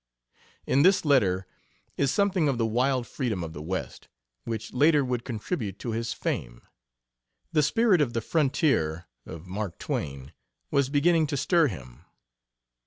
In this letter is something of the "wild freedom of the West," which later would contribute to his fame. The spirit of the frontier of Mark Twain was beginning to stir him.